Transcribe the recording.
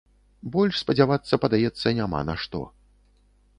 Больш спадзявацца, падаецца, няма на што.